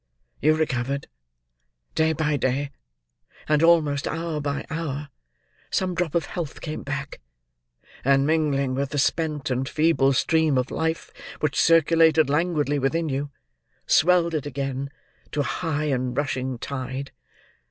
You recovered. Day by day, and almost hour by hour, some drop of health came back, and mingling with the spent and feeble stream of life which circulated languidly within you, swelled it again to a high and rushing tide.